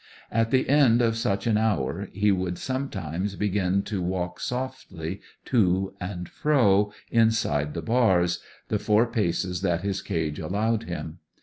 At the end of such an hour he would sometimes begin to walk softly to and fro, inside the bars, the four paces that his cage allowed him.